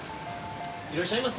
いらっしゃいませ。